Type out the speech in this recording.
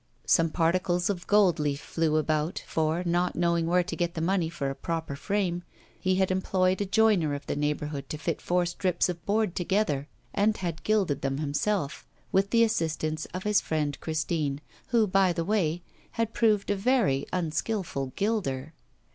Some particles of gold leaf flew about, for, not knowing where to get the money for a proper frame, he had employed a joiner of the neighbourhood to fit four strips of board together, and had gilded them himself, with the assistance of his friend Christine, who, by the way, had proved a very unskilful gilder.